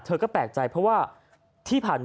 เธอก็แปลกใจเพราะว่าที่ผ่านมา